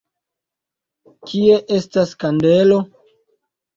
Kie estas kandelo?